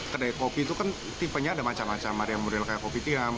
kedai kopi itu kan tipenya ada macam macam ada yang model kayak kopi tiam